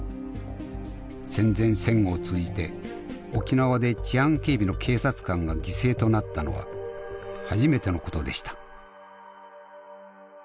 戦前戦後を通じて沖縄で治安警備の警察官が犠牲となったのは初めてのことでした。